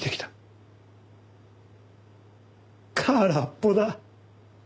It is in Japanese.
空っぽだ。